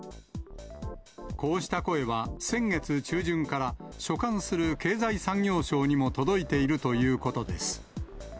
こうした声は、先月中旬から、所管する経済産業省にも届いているということです。